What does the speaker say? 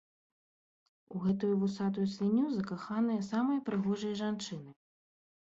У гэтую вусатую свінню закаханыя самыя прыгожыя жанчыны.